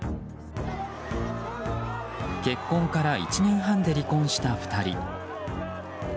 結婚から１年半で離婚した２人。